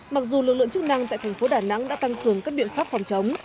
mặc dù lực lượng chức năng tại thành phố đà nẵng đã tăng cường các biện pháp phòng chống